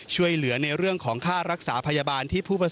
ช่วยเหลือในเรื่องของค่ารักษาพยาบาลที่